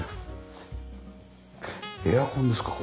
エアコンですか？